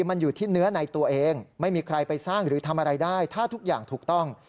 มันอยู่ที่เนื้อในตัวเองไม่มีใครไปสร้างหรือทำอะไรได้ถ้าทุกอย่างถูกต้อง